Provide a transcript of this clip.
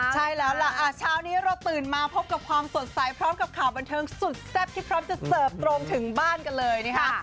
ใช่แล้วล่ะเช้านี้เราตื่นมาพบกับความสดใสพร้อมกับข่าวบันเทิงสุดแซ่บที่พร้อมจะเสิร์ฟตรงถึงบ้านกันเลยนะคะ